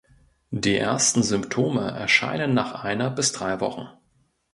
Die ersten Symptome erscheinen nach einer bis drei Wochen.